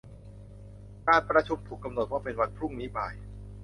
การประชุมถูกกำหนดว่าเป็นวันพรุ่งนี้บ่าย